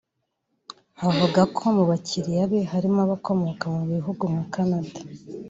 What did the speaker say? Avuga ko mu bakiliya be harimo abakomoka mu bihugu nka Canada